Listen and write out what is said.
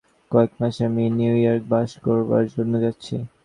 কয়েক মাস আমি নিউ ইয়র্কে বাস করবার জন্য যাচ্ছি।